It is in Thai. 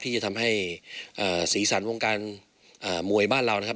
ที่จะทำให้เอ่อศีรษรวงการเอ่อมวยบ้านเรานะครับ